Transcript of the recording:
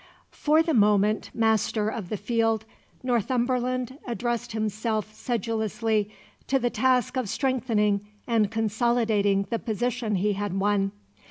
For the moment master of the field, Northumberland addressed himself sedulously to the task of strengthening and consolidating the position he had won.